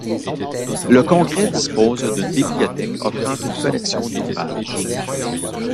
Le congrès dispose d'une bibliothèque offrant une collection de ouvrages.